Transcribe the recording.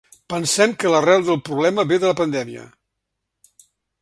Pensem que l’arrel del problema ve de la pandèmia.